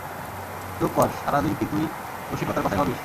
চুপ কর, সারাদিন কি তুই রসিকতার কথাই ভাবিস?